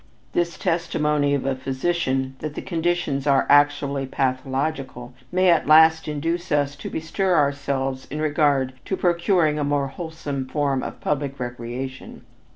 This testimony of a physician that the conditions are actually pathological, may at last induce us to bestir ourselves in regard to procuring a more wholesome form of public recreation.